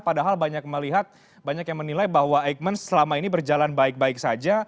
padahal banyak melihat banyak yang menilai bahwa eijkman selama ini berjalan baik baik saja